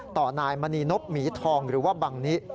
ต่อนายมณีนบหมีทองหรือว่าบังนิ